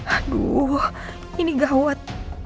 aduh ini gawat